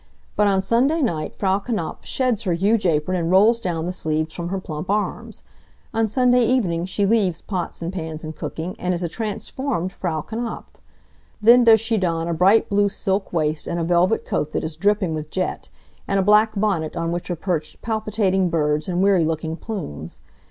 But on Sunday night Frau Knapf sheds her huge apron and rolls down the sleeves from her plump arms. On Sunday evening she leaves pots and pans and cooking, and is a transformed Frau Knapf. Then does she don a bright blue silk waist and a velvet coat that is dripping with jet, and a black bonnet on which are perched palpitating birds and weary looking plumes.